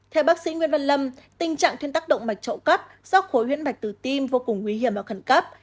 theo bác sĩ nguyên văn lâm tình trạng thiên tác động mạch trộn góc do khối huyết mạch từ tim vô cùng nguy hiểm và khẩn cấp